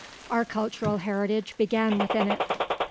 Our cultural heritage began within it.